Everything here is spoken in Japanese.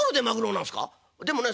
でもね